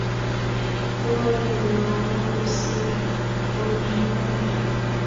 koageer lagok kosire ortinwe